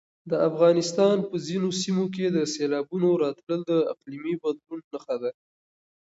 د افغانستان په ځینو سیمو کې د سېلابونو راتلل د اقلیمي بدلون نښه ده.